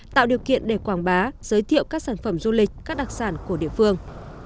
tạo điều kiện để quảng bá giới thiệu các sản phẩm du lịch các đặc sản của địa phương